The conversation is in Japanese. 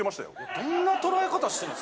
どんな捉え方してんの？